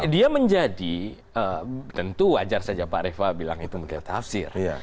nah dia menjadi tentu wajar saja pak areva bilang itu mengalami tafsir